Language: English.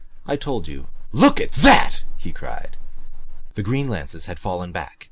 I told you look at that!" he cried. The green lances had fallen back.